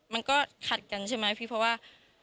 มันก็ขัดกันใช่ไหมพี่เพราะว่า